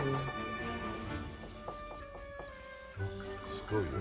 すごいね。